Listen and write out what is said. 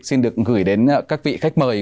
xin được gửi đến các vị khách mời